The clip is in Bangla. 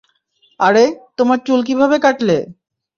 আরে, তোমার চুল কিভাবে কাটলে?